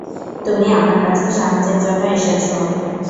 তুমি আমার কাছে সাহায্যের জন্য এসেছো।